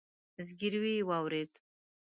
ځګيروی يې واورېد.